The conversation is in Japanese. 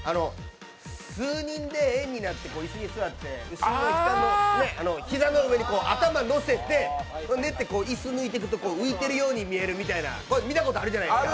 数人で円になって、椅子に座って膝の上に頭のせて寝て、椅子抜いていくと浮いているように見えるみたいな見たことあるじゃないですか。